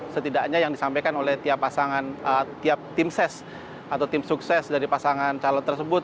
setidaknya yang disampaikan oleh tiap pasangan tiap tim ses atau tim sukses dari pasangan calon tersebut